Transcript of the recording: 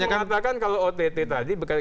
bahkan pansus mengatakan kalau ott tadi